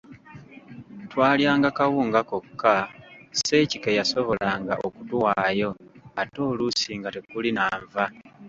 Twalyanga kawunga kokka Sseeki ke yasobolanga okutuwaayo ate oluusi nga tekuli na nva.